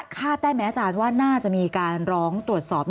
ได้ไหมอาจารย์ว่าน่าจะมีการร้องตรวจสอบ